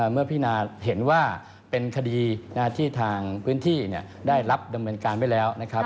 พินาเห็นว่าเป็นคดีที่ทางพื้นที่ได้รับดำเนินการไว้แล้วนะครับ